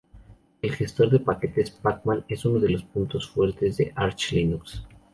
El gestor de paquetes Pacman es uno de los puntos fuertes de Arch Linux.